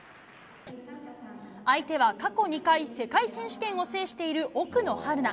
相手は過去２回、世界選手権を制している奥野春菜。